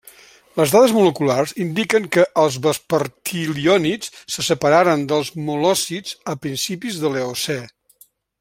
Les dades moleculars indiquen que els vespertiliònids se separaren dels molòssids a principis de l'Eocè.